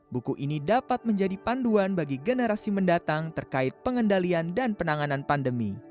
buku ini dapat menjadi panduan bagi generasi mendatang terkait pengendalian dan penanganan pandemi